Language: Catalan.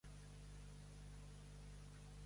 No entenc el que m'estàs contant.